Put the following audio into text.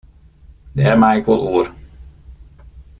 Dêr mei ik wol oer.